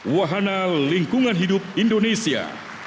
wahana lingkungan hidup indonesia